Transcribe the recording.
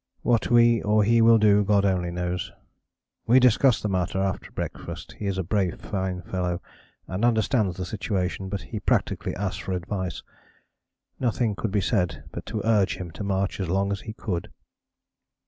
What we or he will do, God only knows. We discussed the matter after breakfast; he is a brave fine fellow and understands the situation, but he practically asked for advice. Nothing could be said but to urge him to march as long as he could.